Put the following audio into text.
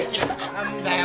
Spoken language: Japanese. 何だよ